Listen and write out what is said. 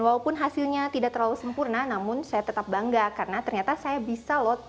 walaupun hasilnya tidak terlalu sempurna namun saya tetap bangga karena ternyata saya bisa loh